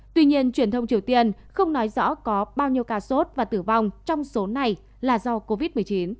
tuy nhiên truyền thông triều tiên không nói rõ có bao nhiêu ca sốt và tử vong trong số này là do covid một mươi chín